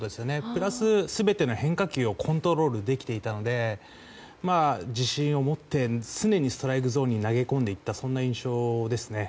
プラス、全ての変化球をコントロールできていたので自信を持って常にストライクゾーンに投げ込んでいった印象ですね。